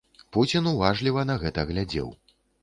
Пуцін уважліва на гэта глядзеў.